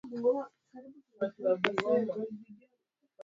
alishinda Brusu kutoka Byzantine na kuifanya mji mkuu wao